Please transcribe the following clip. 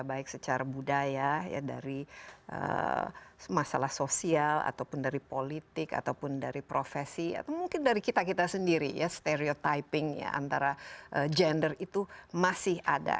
baik secara budaya dari masalah sosial ataupun dari politik ataupun dari profesi atau mungkin dari kita kita sendiri ya stereotyping ya antara gender itu masih ada